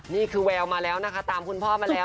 นี่คือแววมาแล้วนะคะตามคุณพ่อมาแล้ว